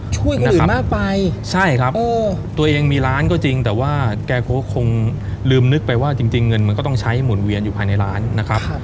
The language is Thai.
คนอื่นมากไปใช่ครับตัวเองมีร้านก็จริงแต่ว่าแกก็คงลืมนึกไปว่าจริงเงินมันก็ต้องใช้หมุนเวียนอยู่ภายในร้านนะครับ